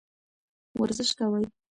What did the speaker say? ورزش کوئ.